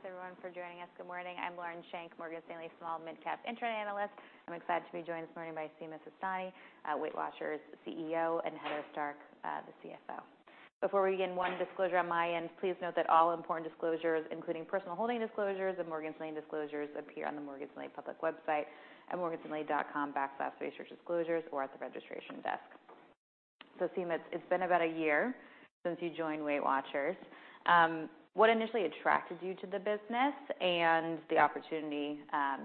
Thanks everyone for joining us. Good morning. I'm Lauren Schenk, Morgan Stanley Small & Mid-Cap Internet Analyst. I'm excited to be joined this morning by Sima Sistani, WeightWatchers CEO, and Heather Stark, the CFO. Before we begin, one disclosure on my end, please note that all important disclosures, including personal holding disclosures and Morgan Stanley disclosures, appear on the Morgan Stanley public website at morganstanley.com/researchdisclosures or at the registration desk. Sima, it's been about a year since you joined WeightWatchers. What initially attracted you to the business and the opportunity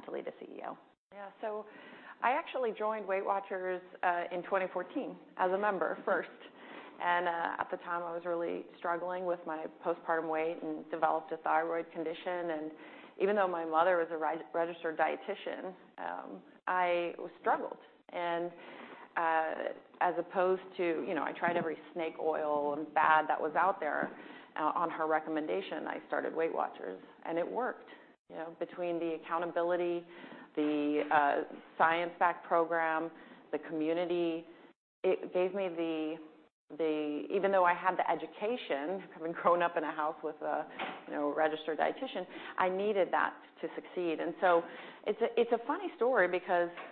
to lead the CEO? I actually joined WeightWatchers in 2014 as a member first. At the time, I was really struggling with my postpartum weight and developed a thyroid condition. Even though my mother was a registered dietitian, I struggled. As opposed to, you know, I tried every snake oil and fad that was out there. On her recommendation, I started WeightWatchers, and it worked. You know, between the accountability, the Science-backed program, the community, it gave me the... Even though I had the education, having grown up in a house with a, you know, registered dietitian, I needed that to succeed. It's a, it's a funny story because back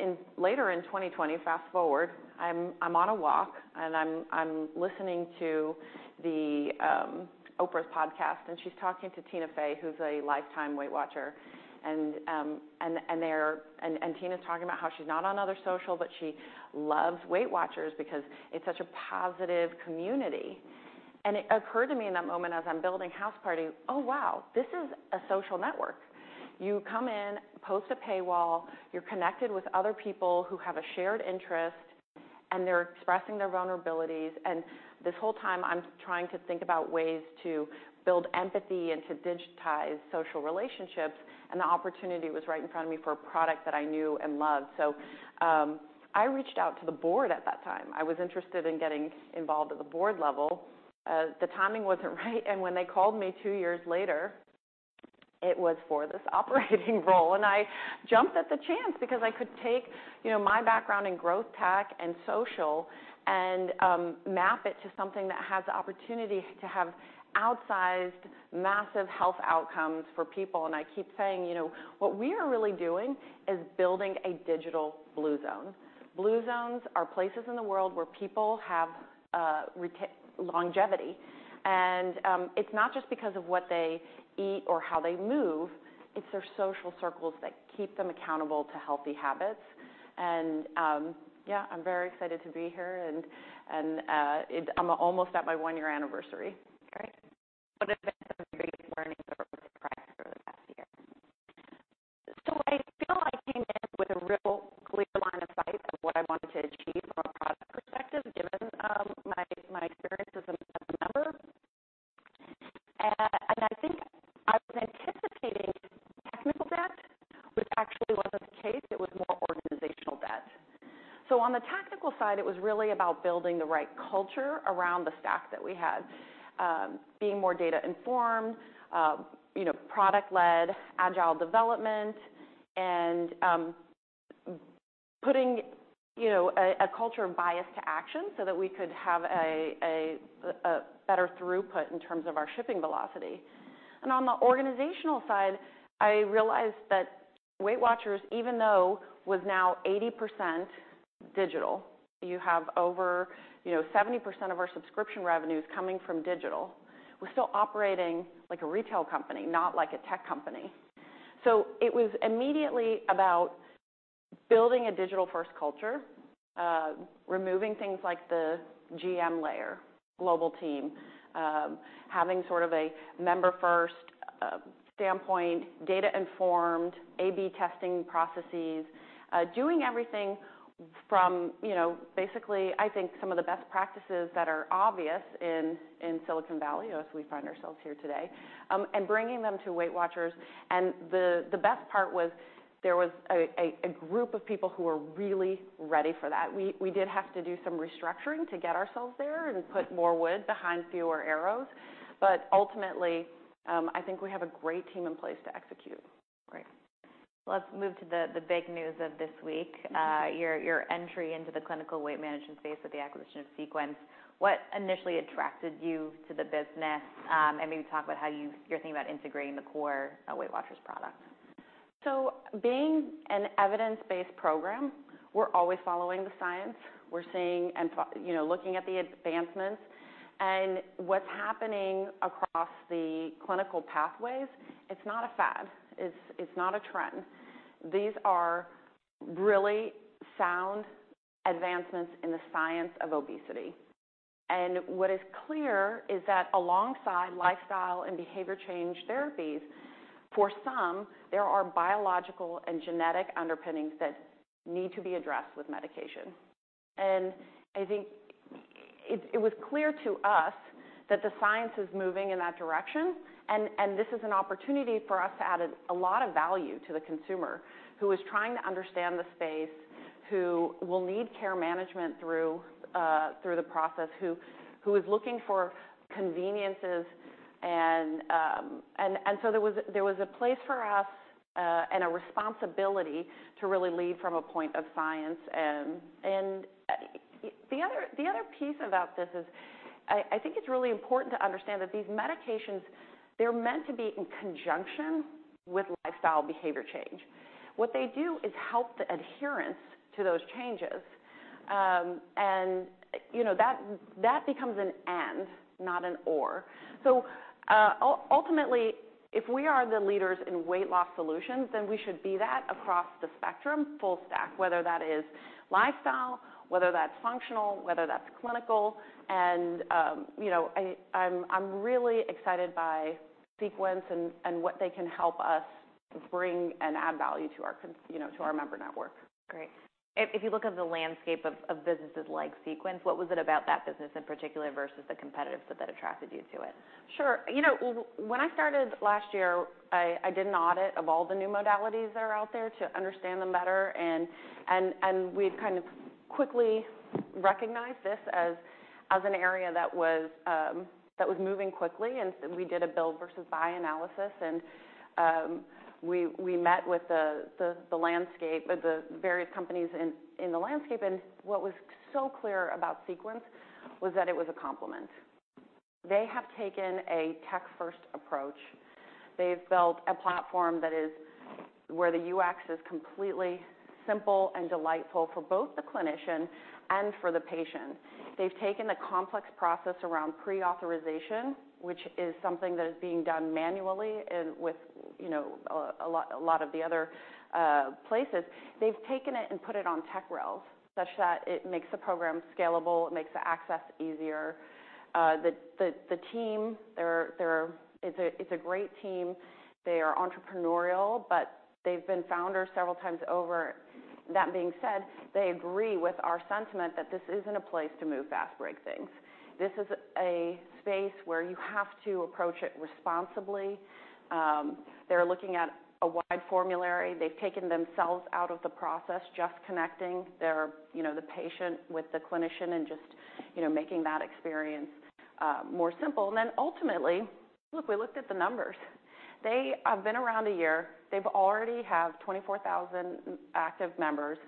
in later in 2020, fast-forward, I'm on a walk and I'm listening to the Oprah's podcast, and she's talking to Tina Fey, who's a lifetime WeightWatchers. Tina's talking about how she's not on other social, but she loves WeightWatchers because it's such a positive community. It occurred to me in that moment as I'm building Houseparty, "Oh, wow, this is a social network." You come in, post a paywall, you're connected with other people who have a shared interest, and they're expressing their vulnerabilities. This whole time, I'm trying to think about ways to build empathy and to digitize social relationships, and the opportunity was right in front of me for a product that I knew and loved. I reached out to the board at that time. I was interested in getting involved at the board level. The timing wasn't right. When they called me two years later, it was for this operating role, and I jumped at the chance because I could take, you know, my background in growth tech and social and map it to something that has the opportunity to have outsized massive health outcomes for people. I keep saying, you know, what we are really doing is building a digital Blue Zone. Blue Zones are places in the world where people have longevity. It's not just because of what they it was really about building the right culture around the stack that we had, being more data-informed, you know, product-led agile development and putting, you know, a culture of bias to action so that we could have a, a better throughput in terms of our shipping velocity. On the organizational side, I realized that WeightWatchers, even though was now 80% digital, you have over, you know, 70% of our subscription revenues coming from digital. We're still operating like a retail company, not like a tech company. It was immediately about building a digital-first culture, removing things like the GM layer, global team, having sort of a member-first standpoint, data-informed A/B testing processes, doing everything from, you know, basically, I think some of the best practices that are obvious in Silicon Valley, as we find ourselves here today, and bringing them to WeightWatchers. The best part was there was a group of people who were really ready for that. We did have to do some restructuring to get ourselves there and put more wood behind fewer arrows. Ultimately, I think we have a great team in place to execute. Great. Let's move to the big news of this week, your entry into the clinical weight management space with the acquisition of Sequence. What initially attracted you to the business? Maybe talk about how you're thinking about integrating the core WeightWatchers product. Being an evidence-based program, we're always following the Science. We're seeing and you know, looking at the advancements and what's happening across the clinical pathways. It's not a fad. It's not a trend. These are really sound advancements in the Science of obesity. What is clear is that alongside lifestyle and behavior change therapies, for some, there are biological and genetic underpinnings that need to be addressed with medication. I think it was clear to us that the Science is moving in that direction, and this is an opportunity for us to add a lot of value to the consumer who is trying to understand the space, who will need care management through the process, who is looking for conveniences and. There was a place for us and a responsibility to really lead from a point of Science and the other piece about this is I think it's really important to understand that these medications, they're meant to be in conjunction with lifestyle behavior change. What they do is help the adherence to those changes. You know, that becomes an and, not an or. Ultimately, if we are the leaders in weight loss solutions, then we should be that across the spectrum, full stack, whether that is lifestyle, whether that's functional, whether that's clinical. You know, I'm really excited by Sequence and what they can help us bring and add value to our member network. Great. If you look at the landscape of businesses like Sequence, what was it about that business in particular versus the competitive set that attracted you to it? Sure. You know, when I started last year, I did an audit of all the new modalities that are out there to understand them better, and we kind of quickly recognized this as an area that was moving quickly. We did a build versus buy analysis. We met with the landscape, with the various companies in the landscape. What was so clear about Sequence was that it was a complement. They have taken a tech-first approach. They've built a platform that is where the UX is completely simple and delightful for both the clinician and for the patient. They've taken the complex process around pre-authorization, which is something that is being done manually and with, you know, a lot of the other places. They've taken it and put it on tech rails, such that it makes the program scalable, it makes the access easier. The team, It's a great team. They are entrepreneurial. They've been founders several times over. That being said, they agree with our sentiment that this isn't a place to move fast, break things. This is a space where you have to approach it responsibly. They're looking at a wide formulary. They've taken themselves out of the process, just connecting their, you know, the patient with the clinician and just, you know, making that experience more simple. Ultimately, look, we looked at the numbers. They have been around a year. They've already have 24,000 active members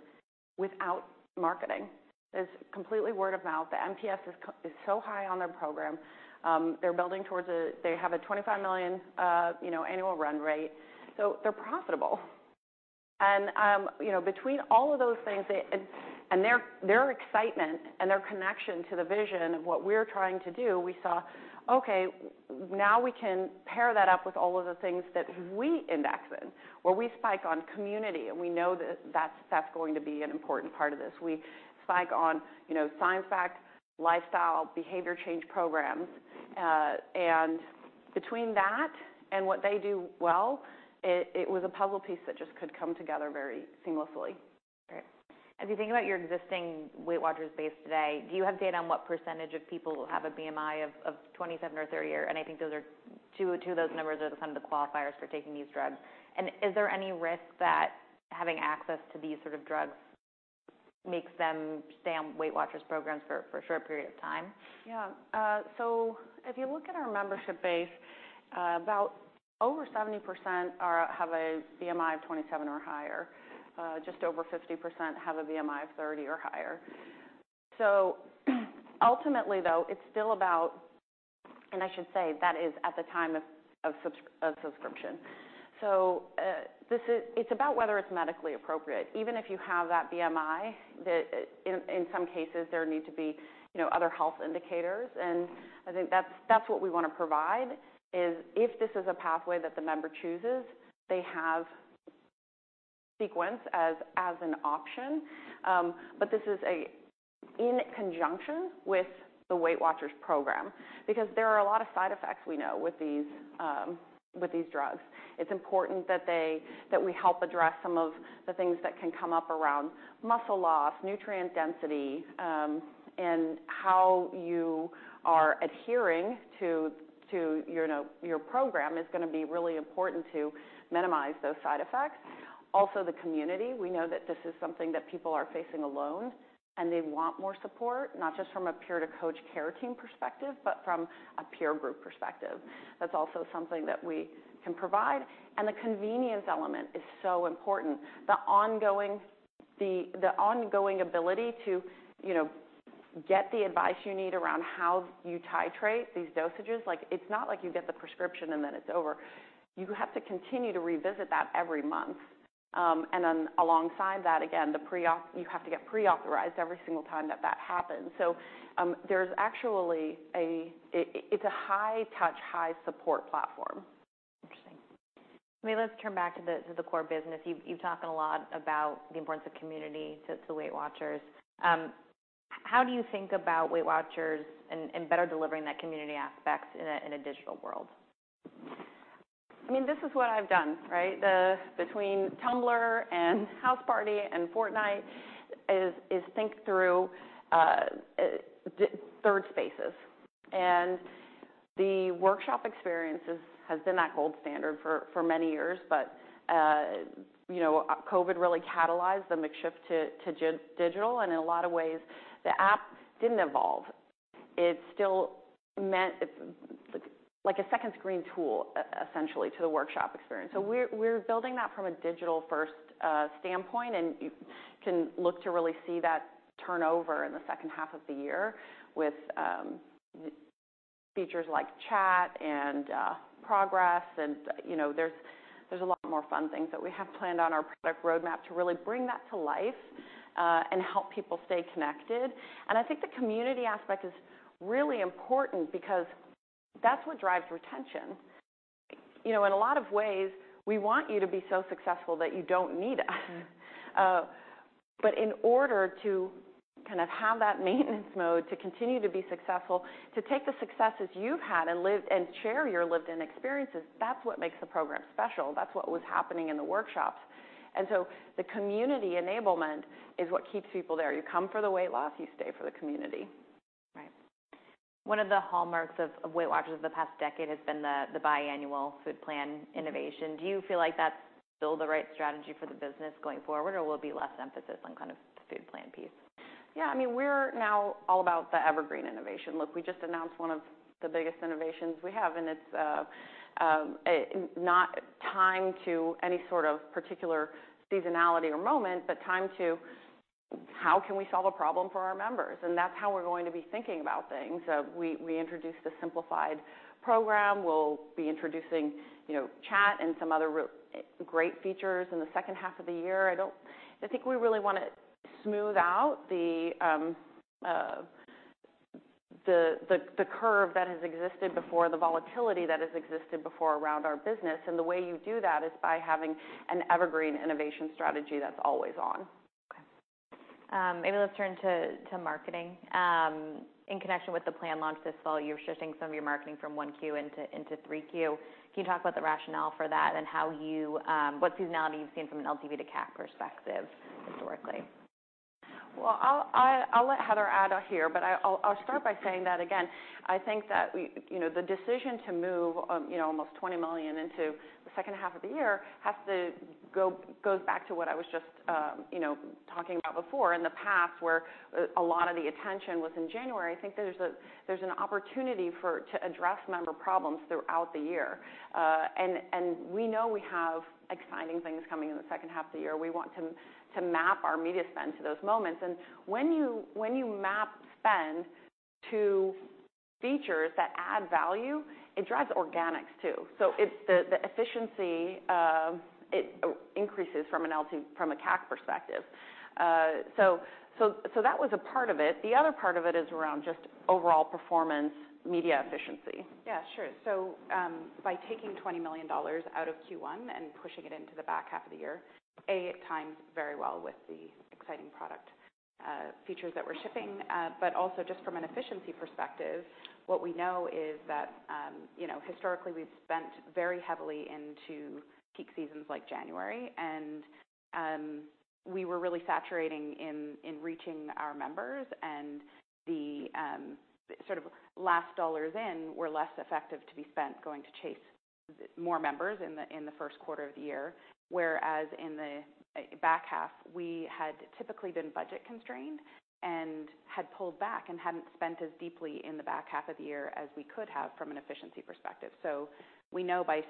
without marketing. It's completely word-of-mouth. The NPS is so high on their program. They're building towards a... They have a $25 million, you know, annual run rate, they're profitable. You know, between all of those things, their excitement and their connection to the vision of what we're trying to do, we saw, okay, now we can pair that up with all of the things that we index in, where we spike on community, and we know that that's going to be an important part of this. We spike on, you know, Science fact, lifestyle, behavior change programs. Between that and what they do well, it was a puzzle piece that just could come together very seamlessly. Great. If you think about your existing WeightWatchers base today, do you have data on what percentage of people have a BMI of 27 or 30 or...? I think those are two of those numbers are some of the qualifiers for taking these drugs. Is there any risk that having access to these sort of drugs makes them stay on WeightWatchers programs for a short period of time? If you look at our membership base, about over 70% have a BMI of 27 or higher. Just over 50% have a BMI of 30 or higher. Ultimately, though, it's still about, I should say that is at the time of subscription. It's about whether it's medically appropriate. Even if you have that BMI, in some cases, there need to be, you know, other health indicators. I think that's what we wanna provide, is if this is a pathway that the member chooses, they have Sequence as an option. This is a in conjunction with the WeightWatchers program. There are a lot of side effects, we know, with these, with these drugs. It's important that they, that we help address some of the things that can come up around muscle loss, nutrient density, and how you are adhering to your, you know, your program is gonna be really important to minimize those side effects. Also, the community, we know that this is something that people are facing alone, and they want more support, not just from a peer to coach care team perspective, but from a peer group perspective. That's also something that we can provide. The convenience element is so important. The ongoing ability to, you know, get the advice you need around how you titrate these dosages. Like, it's not like you get the prescription and then it's over. You have to continue to revisit that every month. Alongside that, again, the pre-auth... You have to get pre-authorized every single time that happens. There's actually a high touch, high support platform. Interesting. I mean, let's turn back to the core business. You've talked a lot about the importance of community to WeightWatchers. How do you think about WeightWatchers and better delivering that community aspect in a digital world? I mean, this is what I've done, right? Between Tumblr and Houseparty and Fortnite is think through third spaces. The workshop experience has been that gold standard for many years. You know, COVID really catalyzed the mix shift to digital, and in a lot of ways, the app didn't evolve. It still meant it's like a second screen tool essentially to the workshop experience. We're building that from a digital first standpoint, and you can look to really see that turnover in the second half of the year with features like chat and progress and, you know, there's a lot more fun things that we have planned on our product roadmap to really bring that to life and help people stay connected. I think the community aspect is really important because that's what drives retention. You know, in a lot of ways, we want you to be so successful that you don't need us. Mm-hmm. In order to kind of have that maintenance mode to continue to be successful, to take the successes you've had and share your lived in experiences, that's what makes the program special. That's what was happening in the workshops. The community enablement is what keeps people there. You come for the weight loss, you stay for the community. Right. One of the hallmarks of WeightWatchers of the past decade has been the biannual food plan innovation. Do you feel like that's still the right strategy for the business going forward, or will it be less emphasis on kind of the food plan piece? Yeah, I mean, we're now all about the evergreen innovation. Look, we just announced one of the biggest innovations we have, and it's not timed to any sort of particular seasonality or moment, but timed to how can we solve a problem for our members? That's how we're going to be thinking about things. We introduced a simplified program. We'll be introducing, you know, chat and some other great features in the second half of the year. I think we really wanna smooth out the curve that has existed before, the volatility that has existed before around our business. The way you do that is by having an evergreen innovation strategy that's always on. Maybe let's turn to marketing. In connection with the plan launch this fall, you're shifting some of your marketing from 1Q into 3Q. Can you talk about the rationale for that and how you, what seasonality you've seen from an LTV to CAC perspective historically? Well, I'll let Heather add here, but I'll start by saying that again, I think that we You know, the decision to move, you know, almost $20 million into the second half of the year goes back to what I was just, you know, talking about before. In the past, where a lot of the attention was in January, I think there's an opportunity to address member problems throughout the year. We know we have exciting things coming in the second half of the year. We want to map our media spend to those moments. When you map spend to features that add value, it drives organics too. It's the efficiency, it increases from a CAC perspective. That was a part of it. The other part of it is around just overall performance, media efficiency. Yeah, sure. By taking $20 million out of Q1 and pushing it into the back half of the year, A, it times very well with the exciting product features that we're shipping. But also just from an efficiency perspective, what we know is that, you know, historically, we've spent very heavily into peak seasons like January, and we were really saturating in reaching our members and the sort of last dollars in were less effective to be spent going to chase more members in the first quarter of the year. Whereas in the back half, we had typically been budget constrained and had pulled back and hadn't spent as deeply in the back half of the year as we could have from an efficiency perspective. We know by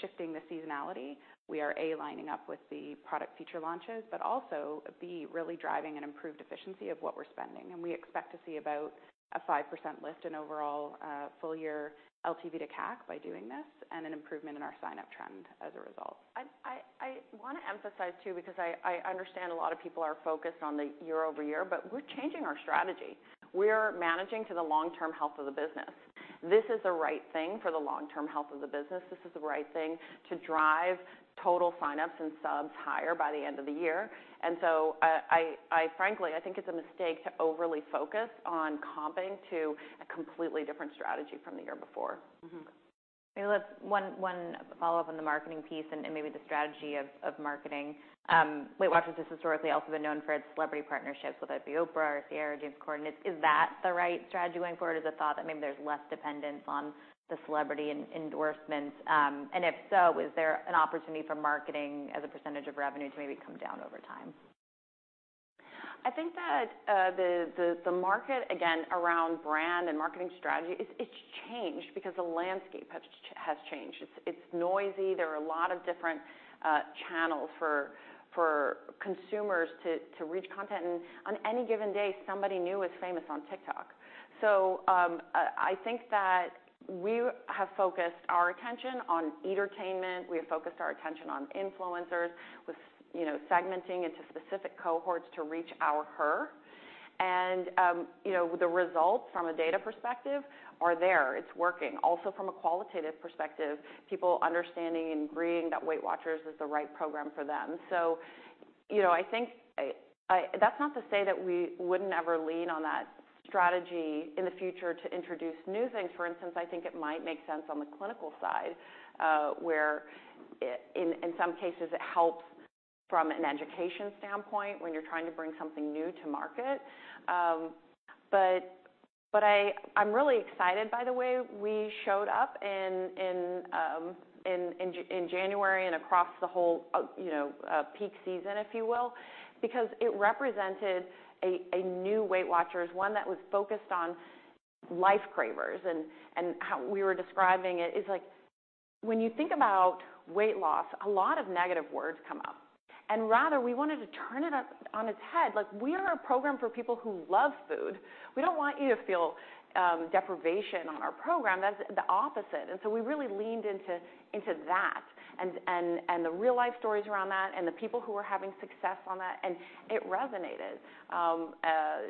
shifting the seasonality, we are, A, lining up with the product feature launches, but also, B, really driving an improved efficiency of what we're spending, and we expect to see about a 5% lift in overall, full year LTV to CAC by doing this and an improvement in our sign-up trend as a result. I wanna emphasize, too, because I understand a lot of people are focused on the year-over-year, but we're changing our strategy. We're managing to the long-term health of the business. This is the right thing for the long-term health of the business. This is the right thing to drive total sign-ups and subs higher by the end of the year. I frankly, I think it's a mistake to overly focus on comping to a completely different strategy from the year before. One follow-up on the marketing piece and maybe the strategy of marketing. WeightWatchers has historically also been known for its celebrity partnerships, whether it be Oprah or James Corden. Is that the right strategy going forward? Is the thought that maybe there's less dependence on the celebrity endorsements? And if so, is there an opportunity for marketing as a % of revenue to maybe come down over time? I think that the market, again, around brand and marketing strategy, it's changed because the landscape has changed. It's, it's noisy. There are a lot of different channels for consumers to reach content. On any given day, somebody new is famous on TikTok. I think that we have focused our attention on eatertainment. We have focused our attention on influencers with, you know, segmenting into specific cohorts to reach our her. You know, the results from a data perspective are there. It's working. Also, from a qualitative perspective, people understanding and agreeing that WeightWatchers is the right program for them. You know, I think that's not to say that we wouldn't ever lean on that strategy in the future to introduce new things. For instance, I think it might make sense on the clinical side, where in some cases, it helps from an education standpoint when you're trying to bring something new to market. But I'm really excited about the way we showed up in January and across the whole, you know, peak season, if you will, because it represented a new WeightWatchers, one that was focused on life cravers. How we were describing it is like, when you think about weight loss, a lot of negative words come up. Rather, we wanted to turn it up on its head. Like, we are a program for people who love food. We don't want you to feel deprivation on our program. That's the opposite. We really leaned into that and the real-life stories around that and the people who are having success on that, and it resonated.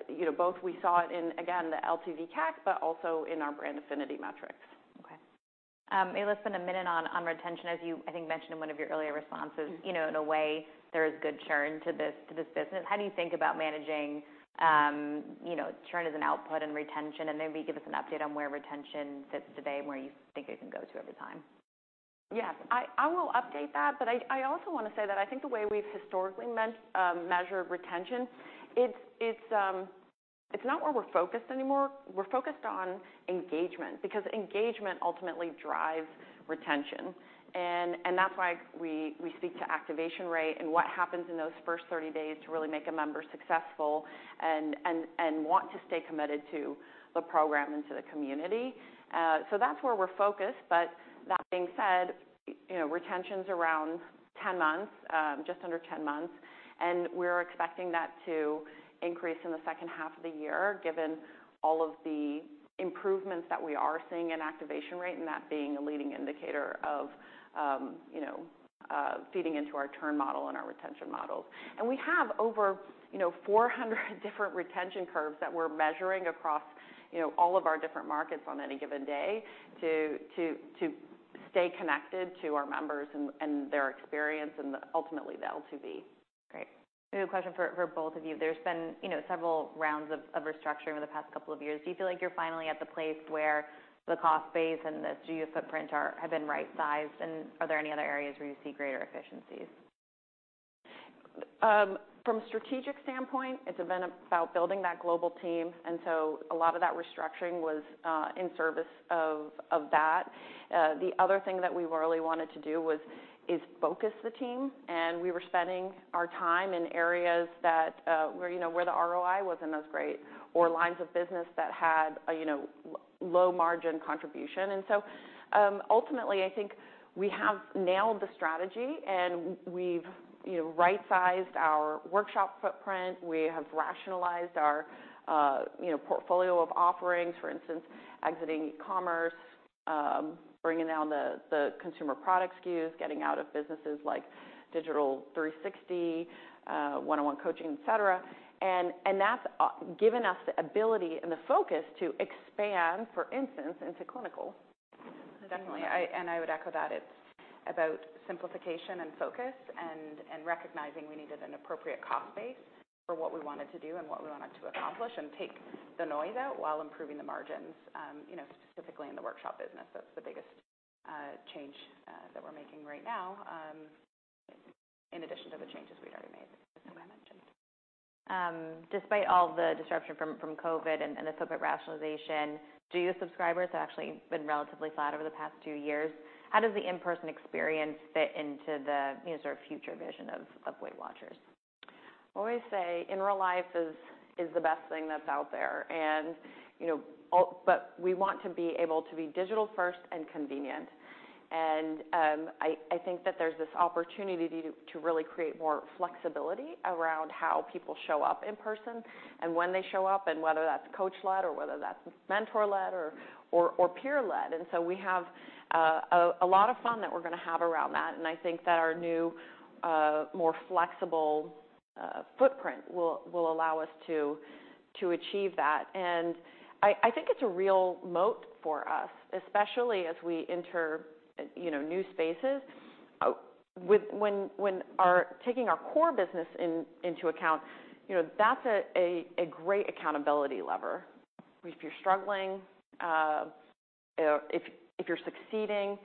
You know, both we saw it in, again, the LTV CAC, but also in our brand affinity metrics. Okay. maybe let's spend a minute on retention. As you, I think, mentioned in one of your earlier responses. Mm-hmm You know, in a way, there is good churn to this business. How do you think about managing, you know, churn as an output and retention? Maybe give us an update on where retention sits today and where you think it can go through over time. Yes. I will update that, but I also wanna say that I think the way we've historically measured retention, it's not where we're focused anymore. We're focused on engagement because engagement ultimately drives retention. That's why we speak to activation rate and what happens in those first 30 days to really make a member successful and want to stay committed to the program and to the community. That's where we're focused. That being said, you know, retention's around 10 months, just under 10 months, and we're expecting that to increase in the second half of the year, given all of the improvements that we are seeing in activation rate, and that being a leading indicator of, you know, feeding into our churn model and our retention models. We have over, you know, 400 different retention curves that we're measuring across, you know, all of our different markets on any given day to stay connected to our members and their experience and ultimately the LTV. Great. I have a question for both of you. There's been, you know, several rounds of restructuring over the past couple of years. Do you feel like you're finally at the place where the cost base and the studio footprint have been right-sized, and are there any other areas where you see greater efficiencies? From strategic standpoint, it's been about building that global team. A lot of that restructuring was in service of that. The other thing that we really wanted to do was, is focus the team. We were spending our time in areas that where, you know, where the ROI wasn't as great or lines of business that had a, you know, low margin contribution. Ultimately, I think we have nailed the strategy, and we've, you know, right-sized our workshop footprint. We have rationalized our, you know, portfolio of offerings. For instance, exiting commerce, bringing down the consumer product SKUs, getting out of businesses like Digital 360, one-on-one coaching, et cetera. That's given us the ability and the focus to expand, for instance, into clinical. Mm-hmm. Definitely. I would echo that it's about simplification and focus and recognizing we needed an appropriate cost base for what we wanted to do and what we wanted to accomplish and take the noise out while improving the margins, you know, specifically in the workshop business. That's the biggest change that we're making right now, in addition to the changes we'd already made, as Noelle mentioned. Despite all the disruption from COVID and the COVID rationalization, do your subscribers have actually been relatively flat over the past 2 years? How does the in-person experience fit into the, you know, sort of future vision of WeightWatchers? I always say in real life is the best thing that's out there. You know, we want to be able to be digital first and convenient. I think that there's this opportunity to really create more flexibility around how people show up in person and when they show up, and whether that's coach-led or whether that's mentor-led or peer-led. We have a lot of fun that we're gonna have around that, and I think that our new more flexible footprint will allow us to achieve that. I think it's a real moat for us, especially as we enter, you know, new spaces. Taking our core business into account, you know, that's a great accountability lever. If you're struggling, if you're succeeding,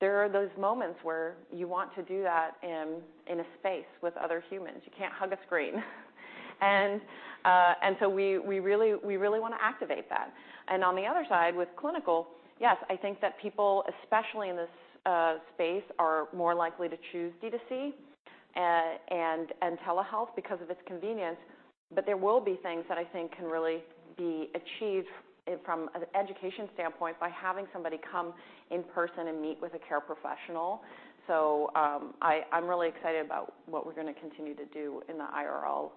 there are those moments where you want to do that in a space with other humans. You can't hug a screen. We really wanna activate that. On the other side, with clinical, yes, I think that people, especially in this space, are more likely to choose D2C, and telehealth because of its convenience. There will be things that I think can really be achieved from an education standpoint by having somebody come in person and meet with a care professional. I'm really excited about what we're gonna continue to do in the IRL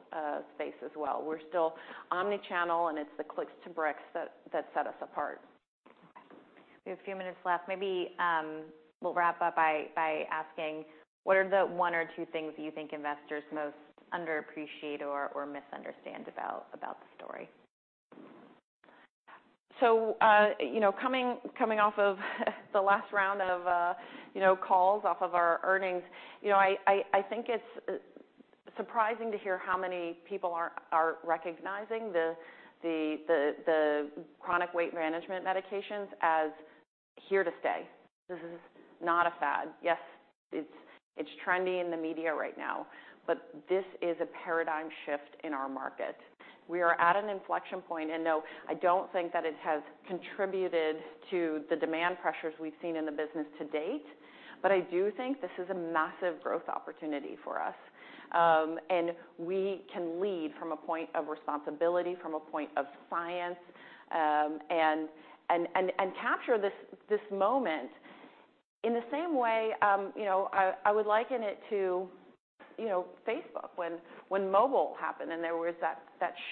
space as well. We're still omni-channel, and it's the clicks to bricks that set us apart. We have a few minutes left. Maybe, we'll wrap up by asking what are the one or two things you think investors most underappreciate or misunderstand about the story? You know, coming off of the last round of, you know, calls off of our earnings, you know, I think it's surprising to hear how many people are recognizing the chronic weight management medications as here to stay. This is not a fad. Yes, it's trendy in the media right now, but this is a paradigm shift in our market. We are at an inflection point, and no, I don't think that it has contributed to the demand pressures we've seen in the business to date. I do think this is a massive growth opportunity for us. We can lead from a point of responsibility, from a point of Science, and capture this moment. In the same way, you know, I would liken it to, you know, Facebook when mobile happened, and there was that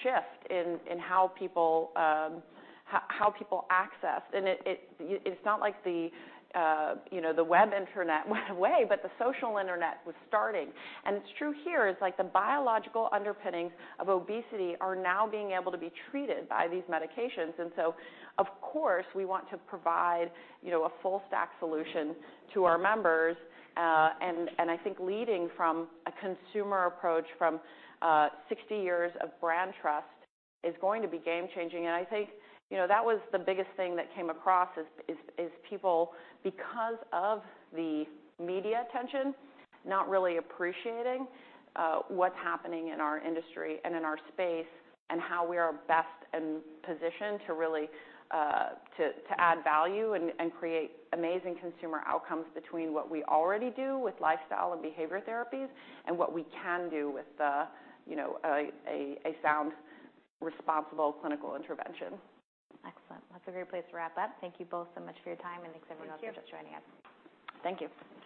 shift in how people accessed. It's not like the, you know, the web internet went away, but the social internet was starting. It's true here. It's like the biological underpinnings of obesity are now being able to be treated by these medications. Of course, we want to provide, you know, a full stack solution to our members. I think leading from a consumer approach from 60 years of brand trust is going to be game changing. I think, you know, that was the biggest thing that came across is people, because of the media attention, not really appreciating what's happening in our industry and in our space and how we are best in position to really to add value and create amazing consumer outcomes between what we already do with lifestyle and behavior therapies and what we can do with, you know, a sound, responsible clinical intervention. Excellent. That's a great place to wrap up. Thank you both so much for your time, and thanks everyone. Thank you. Else for just joining us. Thank you. Thank you.